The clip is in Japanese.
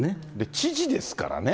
知事ですからね。